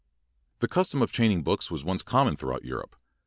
The custom of chaining books was once common throughout Europe.